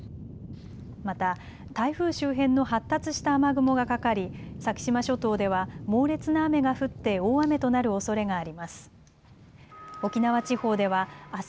また台風周辺の発達した雨雲がかかり先島諸島では猛烈な雨が降って大雨となるおそれがあります。